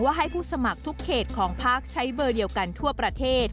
ให้ผู้สมัครทุกเขตของพักใช้เบอร์เดียวกันทั่วประเทศ